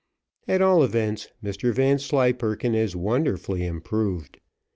At all events Mr Vanslyperken is wonderfully improved.